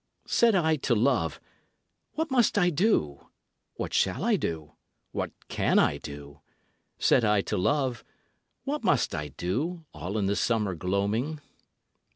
Said I to Love: "What must I do? What shall I do? what can I do?" Said I to Love: "What must I do, All in the summer gloaming?"